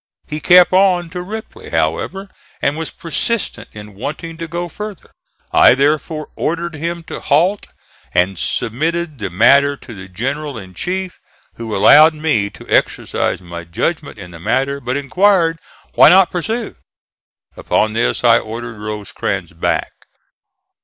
He kept on to Ripley, however, and was persistent in wanting to go farther. I thereupon ordered him to halt and submitted the matter to the general in chief, who allowed me to exercise my judgment in the matter, but inquired "why not pursue?" Upon this I ordered Rosecrans back.